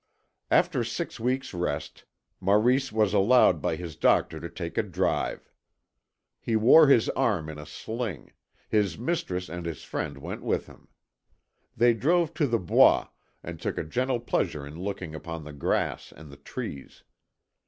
After six weeks' rest, Maurice was allowed by his doctor to take a drive. He wore his arm in a sling. His mistress and his friend went with him. They drove to the Bois, and took a gentle pleasure in looking upon the grass and the trees.